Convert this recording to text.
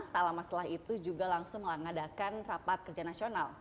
tak lama setelah itu juga langsung mengadakan rapat kerja nasional